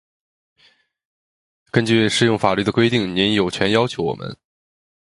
根据适用法律的规定，您有权要求我们：